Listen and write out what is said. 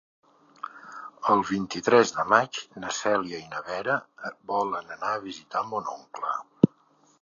El vint-i-tres de maig na Cèlia i na Vera volen anar a visitar mon oncle.